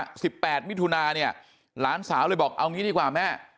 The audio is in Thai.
เงินจริงก็ยังไม่เข้าฮะ๑๘มิถุนาเนี่ยหลานสาวเลยบอกเอานี้ดีกว่าแม่